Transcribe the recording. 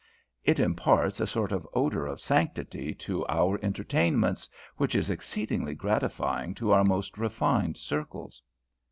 It imparts a sort of odour of sanctity to our entertainments, which is exceedingly gratifying to our most refined circles."